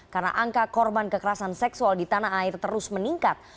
karena angka korban kekerasan seksual di tanah air terus meningkat